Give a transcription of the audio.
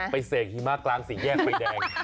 เสกหิมะกลางสี่แยกไฟแดง